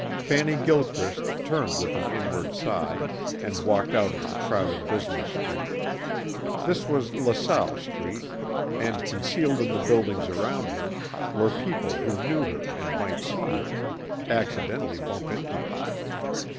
Fanny Gilchrist turned with an inward sigh and walked out of the crowded business street. This was LaSalle street and, concealed in the buildings around her, were people who knew her and might see her. Accidentally bump into her.